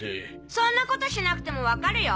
そんなことしなくてもわかるよ！